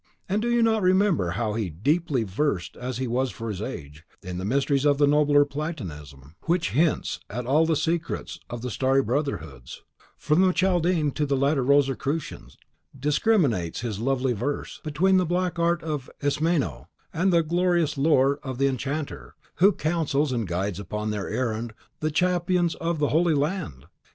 And do you not remember how he, deeply versed as he was for his age, in the mysteries of the nobler Platonism, which hints at the secrets of all the starry brotherhoods, from the Chaldean to the later Rosicrucian, discriminates in his lovely verse, between the black art of Ismeno and the glorious lore of the Enchanter who counsels and guides upon their errand the champions of the Holy Land?